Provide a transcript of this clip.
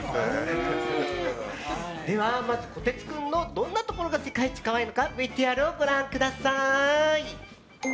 では、まずこてつ君のどんなところが世界一可愛いのかＶＴＲをご覧ください。